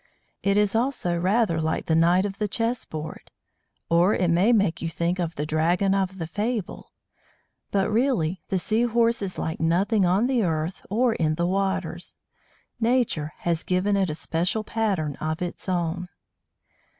It is also rather like the knight of the chess board; or it may make you think of the dragon of the fable; but, really, the Sea horse is like nothing on the earth, or in the waters. Nature has given it a special pattern of its own.